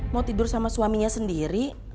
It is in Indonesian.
mau tidur sama suaminya sendiri